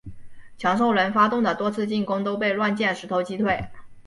强兽人发动的多次进攻都被乱箭石头击退。